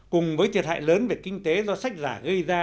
cùng với thiệt hại lớn về kinh tế do sách giả gây ra